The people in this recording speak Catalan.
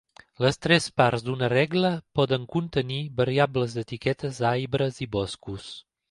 Les tres parts d'una regla poden contenir variables d'etiquetes, arbres i boscos.